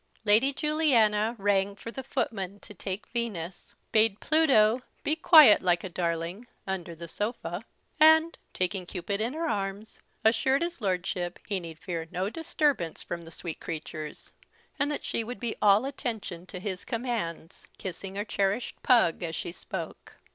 "Lady Juliana rang for the footman to take Venus; bade Pluto be quiet, like a darling, under the sofa; and, taking Cupid in her arms, assured his Lordship he need fear no disturbance from the sweet creatures, and that she would be all attention to his commands kissing her cherished pug as she spoke.